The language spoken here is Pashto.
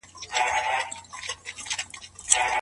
د ټولنې ټول عناصر د روابطو په پرتله یوه ځانګړې اهمیت لري.